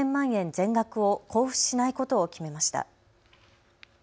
全額を交付しないことを決めました。